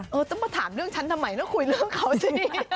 เออต้องมาถามเรื่องฉันทำไมแล้วคุยเรื่องเขาสินี่